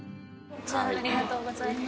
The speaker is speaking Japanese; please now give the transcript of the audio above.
ありがとうございます。